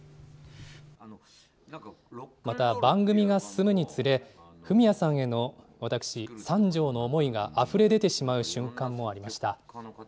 また、番組が進むにつれフミヤさんへの私、三條の思いがあふれ出てしまう瞬間もありました。